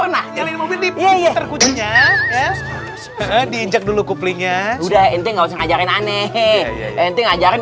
pernah nyari mobil di peter kuncinya diinjak dulu kuplinya udah ini ngajarin aneh ngajarin